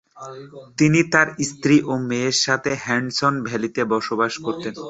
তিনি তার স্ত্রী ও মেয়ের সাথে হাডসন ভ্যালিতে বসবাস করেন।